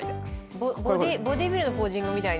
ボディービルのポージングみたいに。